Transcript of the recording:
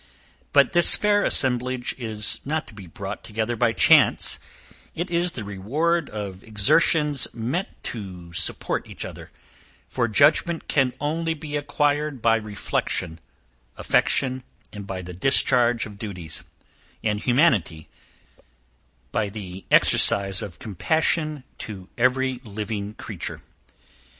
But this fair assemblage is not to be brought together by chance; it is the reward of exertions met to support each other; for judgment can only be acquired by reflection, affection, by the discharge of duties, and humanity by the exercise of compassion to every living creature.